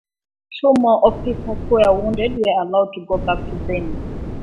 Two more officers who were wounded were allowed to go back to Beni.